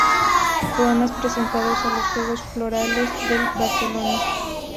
Poemas presentados a los Juegos Florales de Barcelona